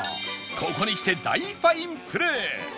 ここに来て大ファインプレー